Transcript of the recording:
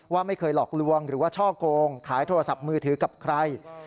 ว่าไม่เคยหลอกลวงหรือว่าช่อโกงขายโทรศัพท์มือถือกับใคร